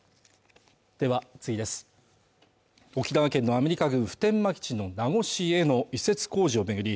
沖縄県のアメリカ軍普天間基地の名護市への移設工事を巡り